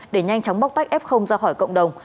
để nhanh chóng bóc tách f ra khỏi cộng đồng